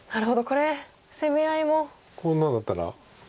こんなだったら。